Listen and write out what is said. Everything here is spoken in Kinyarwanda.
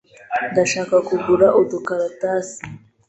Ndashaka kugura udukaratasi.